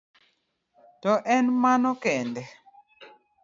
To en mano kende?